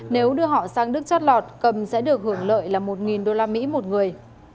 nếu đưa họ sang đức chót lọt cầm sẽ được hưởng lợi là một usd một người